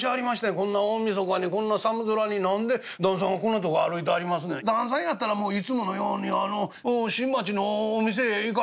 こんな大晦日にこんな寒空に何で旦さんがこんなとこ歩いてはりますねん？旦さんやったらもういつものように新町のお店へ行かれたらどうでございます？」。